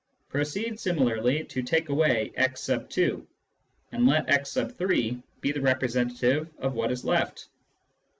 Proceed similarly to take away x 2 , and let x 3 be the representative of what is left.